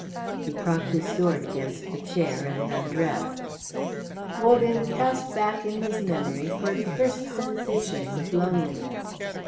He propped his sword against the chair and undressed. Wogan cast back in his memories for the first sensations of loneliness.